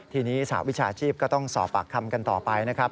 ทีนี้สหวิชาชีพก็ต้องสอบปากคำกันต่อไปนะครับ